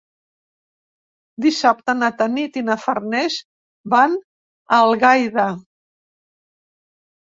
Dissabte na Tanit i na Farners van a Algaida.